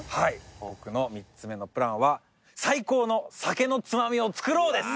僕の３つ目のプランは「最高の酒のつまみを作ろう」です。